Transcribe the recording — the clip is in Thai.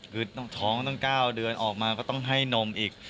คือต้องท้องตั้ง๙เดือนออกมาก็ต้องให้นมอีก